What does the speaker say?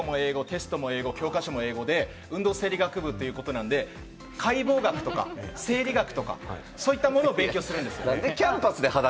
もちろんですけど、授業も英語、テストも英語、教科書も英語で運動生理学部ということで、解剖学とか生理学とか、そういったものを勉強するんです。